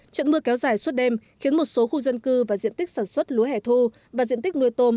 trận mưa kéo dài suốt đêm khiến một số khu dân cư và diện tích sản xuất lúa hẻ thu và diện tích nuôi tôm